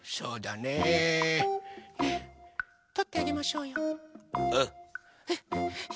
ねえとってあげましょうよ。